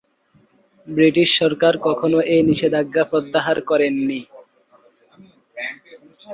British সরকার কখনো এ নিষেধাজ্ঞা প্রত্যাহার করেননি।